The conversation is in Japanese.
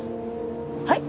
はい？